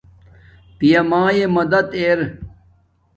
پیا مایے مدد ارا